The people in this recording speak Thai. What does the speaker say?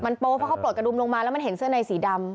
โป๊เพราะเขาปลดกระดุมลงมาแล้วมันเห็นเสื้อในสีดำ